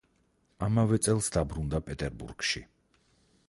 ამავე წელს დაბრუნდა პეტერბურგში.